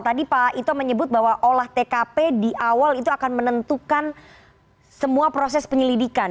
tadi pak ito menyebut bahwa olah tkp di awal itu akan menentukan semua proses penyelidikan